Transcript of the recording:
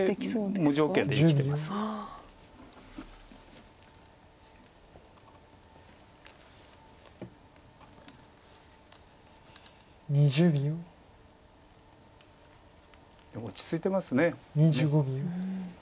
でも落ち着いてます。